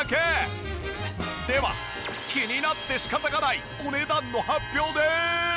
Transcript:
では気になって仕方がないお値段の発表です！